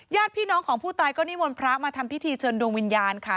ญาติพี่น้องของผู้ตายก็นิมนต์พระมาทำพิธีเชิญดวงวิญญาณค่ะ